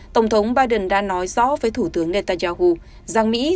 tổng thống biden đã nói rõ với thủ tướng netanyahu rằng mỹ